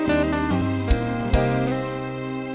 ปล่อยผมช่วยนี่นักดวงว่ะ